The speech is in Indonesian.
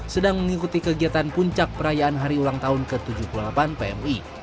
sedang mengikuti kegiatan puncak perayaan hari ulang tahun ke tujuh puluh delapan pmi